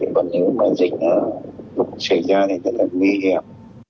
còn nếu mà dịch lúc xảy ra thì rất là nguy hiểm